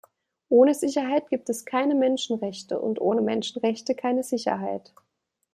Ohne Sicherheit gibt es keine Menschenrechte und ohne Menschenrechte keine Sicherheit.